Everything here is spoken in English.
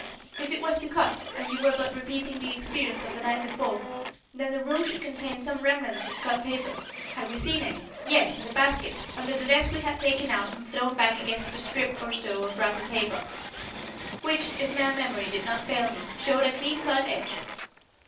If it was to cut, and you were but repeating the experience of the night before, then the room should contain some remnants of cut paper. Had we seen any? Yes, in the basket, under the desk we had taken out and thrown back again a strip or so of wrapping paper, which, if my memory did not fail me, showed a clean cut edge.